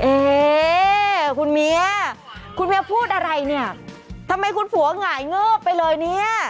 เอ๊คุณเมียคุณเมียพูดอะไรเนี่ยทำไมคุณผัวหงายเงิบไปเลยเนี่ย